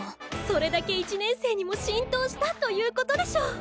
それだけ１年生にも浸透したということでしょう！